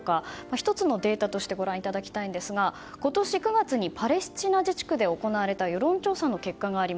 １つのデータとしてご覧いただきたいんですが今年９月にパレスチナ自治区で行われた世論調査の結果です。